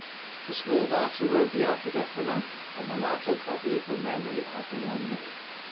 The schoolmaster wrote the alphabet for Nanak, and the latter copied it from memory after one day.